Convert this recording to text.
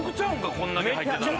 こんなに入ってたら。